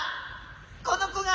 この子が！